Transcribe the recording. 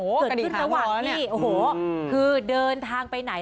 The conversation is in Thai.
โอ้โฮกระดิ่งขาวนี่โอ้โฮคือเดินทางไปไหน